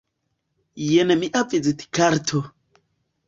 Jen mia vizitkarto.